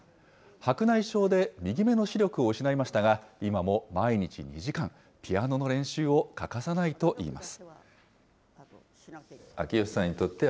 白内障で右目の視力を失いましたが、今も毎日２時間、ピアノの練習を欠かさないといいます。